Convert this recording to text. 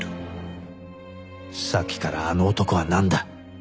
さっきからあの男はなんだ？